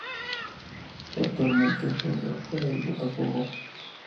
Actualmente juega para el Botafogo.